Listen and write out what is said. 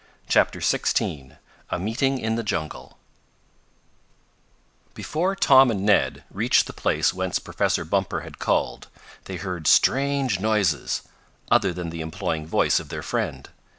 CHAPTER XVI A MEETING IN THE JUNGLE Before Tom and Ned reached the place whence Professor Bumper had called, they heard strange noises, other than the imploring voice of their friend.